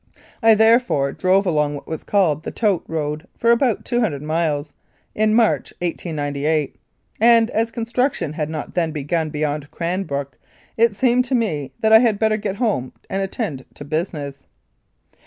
I therefore drove along what was called the "tote " road for about 200 miles, in March, 1898, and, as construction had not then begun beyond Cranbrook, it seemed to me that I had better get home and attend to business.